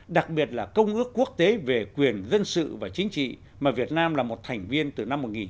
đặc biệt là công ước quốc tế về quyền dân sự và chính trị mà việt nam là một thành viên từ một nghìn chín trăm tám mươi hai